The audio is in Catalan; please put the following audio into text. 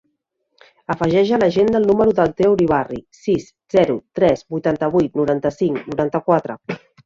Afegeix a l'agenda el número del Theo Uribarri: sis, zero, tres, vuitanta-vuit, noranta-cinc, noranta-quatre.